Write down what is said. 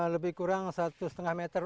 lebih kurang satu lima meter